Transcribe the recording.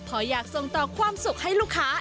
เพราะอยากส่งต่อความสุขให้ลูกค้า